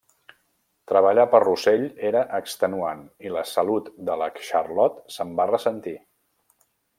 Treballar per Russell era extenuant i la salut de la Charlotte se’n va ressentir.